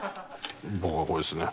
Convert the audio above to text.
僕はこれですね。